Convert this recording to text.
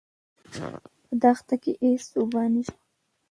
په دښته کې هېڅ اوبه نشته.